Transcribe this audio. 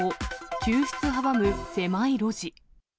救出阻む狭い路地。